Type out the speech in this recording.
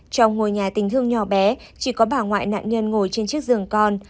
trong ngôi nhà tình thương nhỏ bé chỉ có bà ngoại nạn nhân ngồi trên chiếc giường con